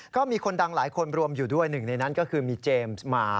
ก็มีคนดังหลายคนรวมอยู่ด้วยหนึ่งในนั้นก็คือมีเจมส์มา